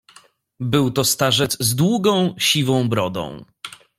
"Był to starzec z długą, siwą brodą."